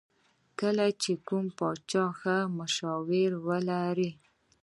کله چې کوم پاچا ښه مشاورین ولري.